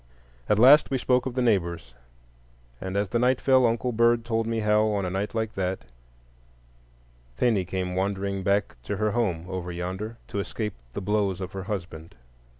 At last we spoke of the neighbors, and as night fell, Uncle Bird told me how, on a night like that, 'Thenie came wandering back to her home over yonder, to escape the blows of her husband.